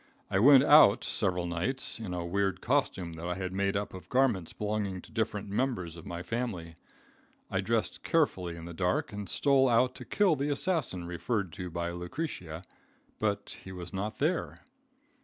I went out several nights in a weird costume that I had made up of garments belonging to different members of my family. I dressed carefully in the dark and stole out to kill the assassin referred to by Lucretia, but he was not there.